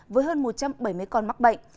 với hơn một trăm bảy mươi con mắc bệnh